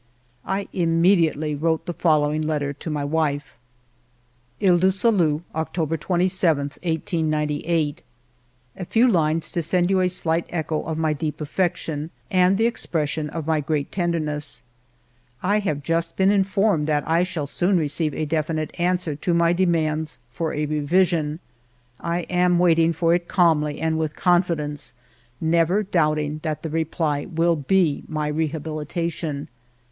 I immediately wrote the following letter to my wife :— ALFRED DREYFUS 181 Iles du Salut, October 27, 1898. " A few lines to send you a slight echo of my deep affection and the expression of my great tenderness. I have just been informed that I shall soon receive a definite answer to my de mands for a revision. I am waiting for it calmly and with confidence, never doubting that the reply will be my rehabilitation.